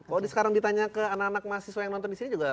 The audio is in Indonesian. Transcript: kalau sekarang ditanya ke anak anak mahasiswa yang nonton disini juga